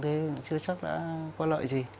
thế chưa chắc đã có lợi gì